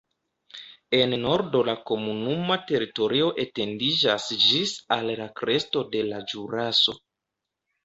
En nordo la komunuma teritorio etendiĝas ĝis al la kresto de la Ĵuraso.